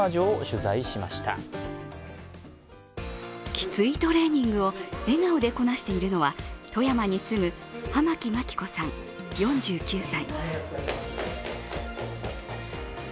キツいトレーニングを笑顔でこなしているのは富山に住む浜木真紀子さん、４９歳。